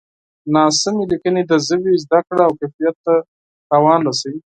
ناسمې لیکنې د ژبې زده کړه او کیفیت ته زیان رسوي.